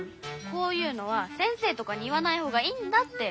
こういうのは先生とかに言わないほうがいいんだって。